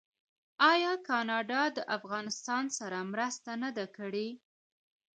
آیا کاناډا د افغانستان سره مرسته نه ده کړې؟